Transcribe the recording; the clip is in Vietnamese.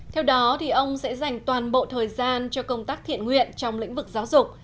theo đó ông sẽ dành toàn bộ thời gian cho công tác thiện nguyện trong lĩnh vực giáo dục